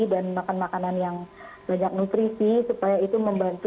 dan makan makanan yang banyak nutrisi supaya itu membantu